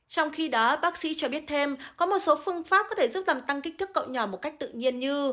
trong khi đó bác sĩ cho biết thêm có một số phương pháp có thể giúp làm tăng kích thước cậu nhỏ một cách tự nhiên như